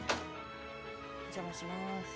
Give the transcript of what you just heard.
お邪魔します。